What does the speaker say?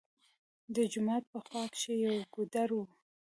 د جومات په خوا کښې يو ګودر وو